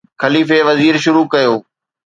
خليفي وزير شروع ڪيو